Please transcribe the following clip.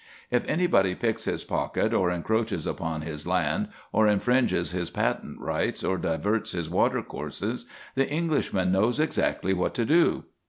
If anybody picks his pocket, or encroaches upon his land, or infringes his patent rights, or diverts his water courses, the Englishman knows exactly what to do.